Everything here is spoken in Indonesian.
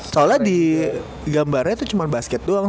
soalnya di gambarnya tuh cuma basket doang